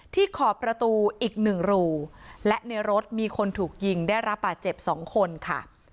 ขอบประตูอีกหนึ่งรูและในรถมีคนถูกยิงได้รับบาดเจ็บ๒คนค่ะ